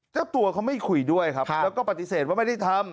เจ้าตัวเขาไม่คุยด้วยครับแล้วก็ปฏิเสธว่าไม่ได้ทำ